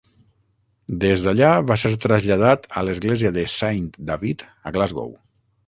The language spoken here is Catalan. Des d'allà va ser traslladat a l'església de Saint David a Glasgow.